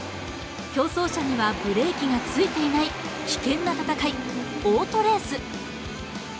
競走車にはブレーキがついていない危険な戦いオートレース。